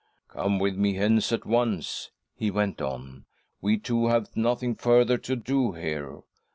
" Come with me hence at once," he went on ;" we two have nothing further to do here.